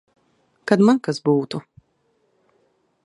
Kad man kas būtu.